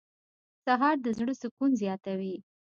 سهار د زړه سکون زیاتوي.